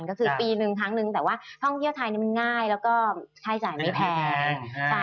ก็คือปีนึงครั้งนึงแต่ว่าท่องเที่ยวไทยนี่มันง่ายแล้วก็ค่าจ่ายไม่แพง